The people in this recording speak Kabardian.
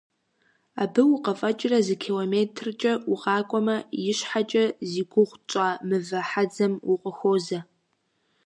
Абы укъыфӀэкӀрэ зы километркӀэ укъакӀуэмэ, ищхьэкӀэ зи гугъу тщӀа «Мывэ хьэдзэм» укъыхуозэ.